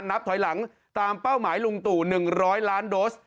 นับถอยหลังตามเป้าหมายลุงตู่๑๐๐ล้านโดส